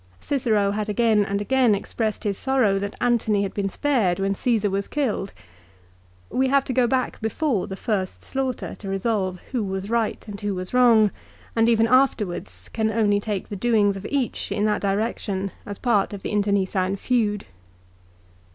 Cicero had again and again ex pressed his sorrow that Antony had been spared when Caesar was killed. We have to go back before the first slaughter to resolve who was right and who was wrong, and even after wards, can only take the doings of each in that direction as part of the internecine feud.